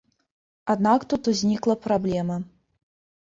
Аднак тут узнікла праблема.